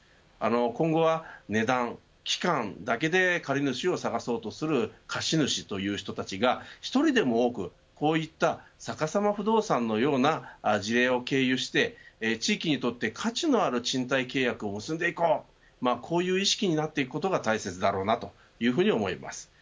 今後は値段、期間だけで借主を探そうとする貸主という人たちが１人でも多くこういったさかさま不動産のような事例を経由して地域にとって価値のある賃貸契約を結んでいこうこういう意識になっていくことが大切だろうなというふうに思います。